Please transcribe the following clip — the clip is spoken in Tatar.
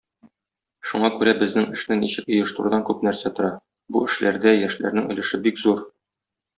Шуңа күрә безнең эшне ничек оештырудан күп нәрсә тора, бу эшләрдә яшьләрнең өлеше бик зур.